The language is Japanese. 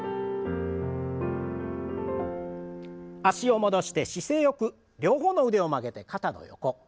脚を戻して姿勢よく両方の腕を曲げて肩の横。